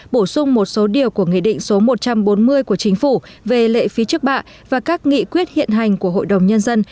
bổ sung một số điều của nghị định số một trăm bốn mươi của chính phủ về lệ phí trước bạ và các nghị quyết hiện hành của hội đồng nhân dân